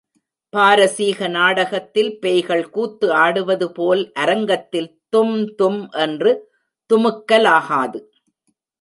பாரசீக நாடகத்தில் பேய்கள் கூத்து ஆடுவது போல் அரங்கத்தில் தும்தும் என்று துமுக்கலாகாது.